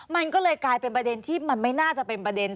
มันก็เลยกลายเป็นประเด็นที่มันไม่น่าจะเป็นประเด็น